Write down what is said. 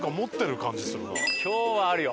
今日はあるよ。